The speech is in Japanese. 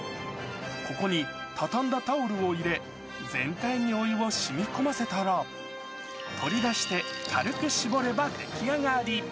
ここに畳んだタオルを入れ、全体にお湯をしみこませたら、取り出して、軽く絞れば出来上がり。